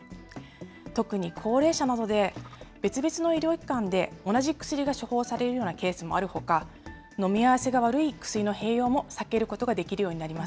特に高齢者などで別々の医療機関で同じ薬が処方されるようなケースもあるほか、飲み合わせが悪い薬の併用も避けることができるようになります。